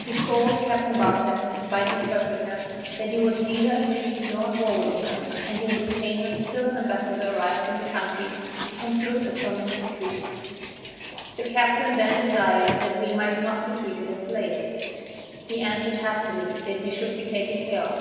He told Captain Barton, by an interpreter, that he was neither at peace nor war with England, and he would detain us till an ambassador arrived from that country to conclude a permanent treaty. The captain then desired that we might not be treated as slaves. He answered hastily, that we should be taken care of.